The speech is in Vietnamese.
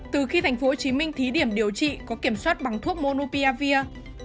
từ khi thành phố hồ chí minh thí điểm điều trị có kiểm soát bằng thuốc monopiravir